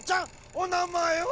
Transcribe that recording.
おなまえは？